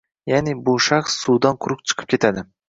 Ya`ni, bu shaxs suvdan quruq chiqib ketadi